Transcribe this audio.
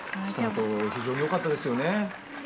スタートも非常に良かったですよね。